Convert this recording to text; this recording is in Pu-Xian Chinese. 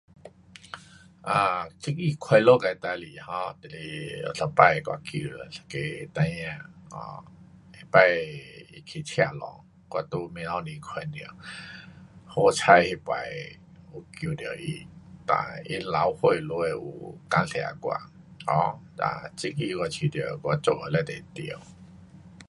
啊，这个快乐的事情 um 就是有一次我去有一个孩儿 um 那次被车撞，我在面头前看到，好彩那次有救到他，哒他老爹下有感谢我。哒这个我觉得我做得非常对。